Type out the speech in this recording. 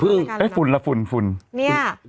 เริ่มต้นต้นรายการแล้วเนอะฟุ่นฟุ่นฟุ่น